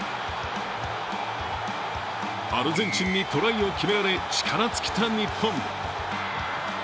アルゼンチンにトライを決められ力尽きた日本。